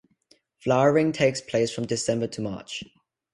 Flowering takes place from December to March.